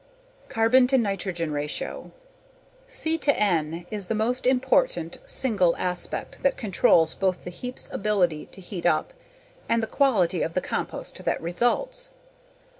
Carbon to nitrogen ratio. C/N is the most important single aspect that controls both the heap's ability to heat up and the quality of the compost that results.